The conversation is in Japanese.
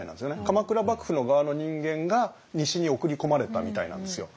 鎌倉幕府の側の人間が西に送り込まれたみたいなんですよ。